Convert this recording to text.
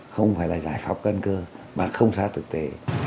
không phải là giải pháp cân cơ mà không xa thực tế